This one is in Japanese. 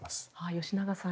吉永さん